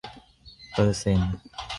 เปอร์เซนต์